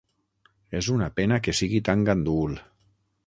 És una pena que sigui tan gandul.